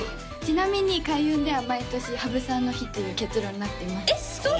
ちなみに開運では毎年羽生さんの日という結論になってます